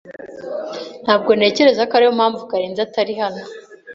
Ntabwo ntekereza ko ariyo mpamvu Karenzi atari hano.